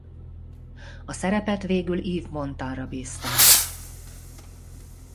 A szerepet végül Yves Montand-ra bízták.